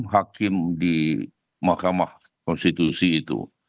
hakim di mahkamah konstitusi itu